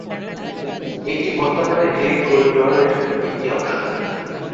এটি বর্তমানে রেড করিডোরের একটি অংশ।